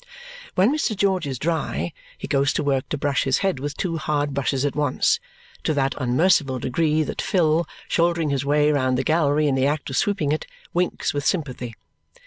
When Mr. George is dry, he goes to work to brush his head with two hard brushes at once, to that unmerciful degree that Phil, shouldering his way round the gallery in the act of sweeping it, winks with sympathy.